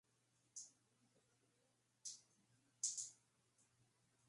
Al día siguiente, se hacen desaparecer los restos de las víctimas.